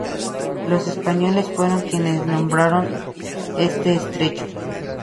Los españoles fueron quienes nombraron este estrecho.